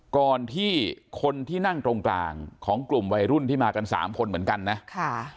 ก่อนที่คนที่นั่งตรงกลางของกลุ่มวัยรุ่นที่มากันสามคนเหมือนกันนะค่ะ